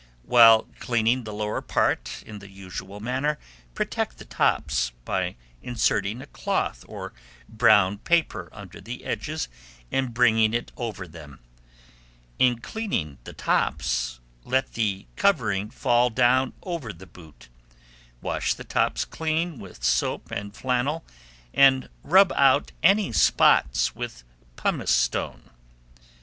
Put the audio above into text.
While cleaning the lower part in the usual manner, protect the tops, by inserting a cloth or brown paper under the edges and bringing it over them. In cleaning the tops, let the covering fall down over the boot; wash the tops clean with soap and flannel, and rub out any spots with pumice stone.